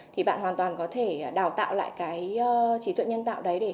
thì bạn hoàn toàn có thể đào tạo lại trí tuệ nhân tạo